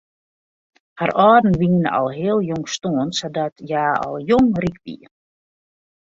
Har âlden wiene al heel jong stoarn sadat hja al jong ryk wie.